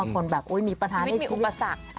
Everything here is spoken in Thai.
เจ้าที่มีปัญหาในชีวิตชีวิตมีอุปสรรค